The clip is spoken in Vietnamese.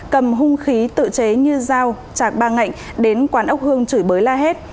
cầm hung khí tự chế như dao chặt ba ngạnh đến quán ốc hương chửi bới la hết